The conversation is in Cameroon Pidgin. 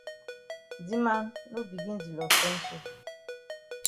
Di man, no begin di loss sense so.